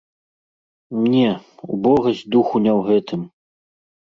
Не, убогасць духу не ў гэтым.